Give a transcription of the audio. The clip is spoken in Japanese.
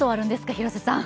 広瀬さん！